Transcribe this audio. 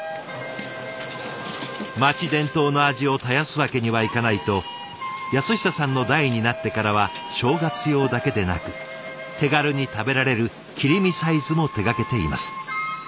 町伝統の味を絶やすわけにはいかないと安久さんの代になってからは正月用だけでなく手軽に食べられる切り身サイズも手がけています。